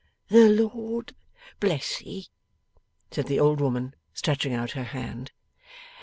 'The Lord bless ye!' said the old woman, stretching out her hand.